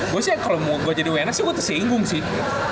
gue sih kalau mau gue jadi wns sih gue tersinggung sih